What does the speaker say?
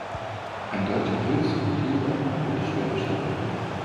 Ein deutscher Hilfs-U-Jäger wurde schwer beschädigt.